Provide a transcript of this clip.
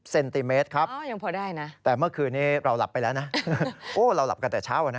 เซนติเมตรครับยังพอได้นะแต่เมื่อคืนนี้เราหลับไปแล้วนะโอ้เราหลับกันแต่เช้านะ